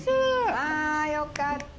あよかった！